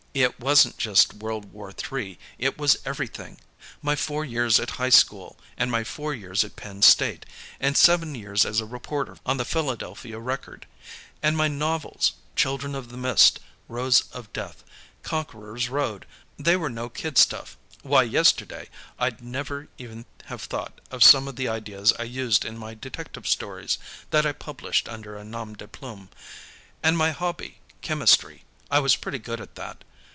"It wasn't just World War III; it was everything. My four years at high school, and my four years at Penn State, and my seven years as a reporter on the Philadelphia Record. And my novels: 'Children of the Mist,' 'Rose of Death,' 'Conqueror's Road.' They were no kid stuff. Why, yesterday I'd never even have thought of some of the ideas I used in my detective stories, that I published under a nom de plume. And my hobby, chemistry; I was pretty good at that.